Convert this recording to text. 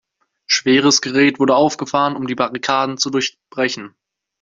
Schweres Gerät wurde aufgefahren, um die Barrikaden zu durchbrechen.